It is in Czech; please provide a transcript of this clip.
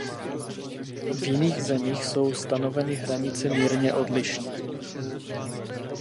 V jiných zemích jsou stanoveny hranice mírně odlišně.